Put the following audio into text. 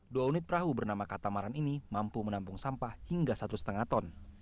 dua unit perahu bernama katamaran ini mampu menampung sampah hingga satu lima ton